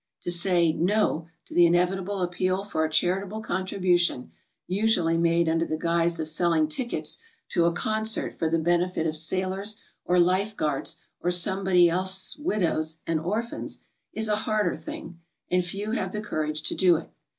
To say "No" to the inevitable appeal for a charitable contribution, usually made under the guise of selling tickets to a concert for the benefit of sailors' or life guards' or somebody's else widows and orphans, is a harder thing, and few have the courage to do it.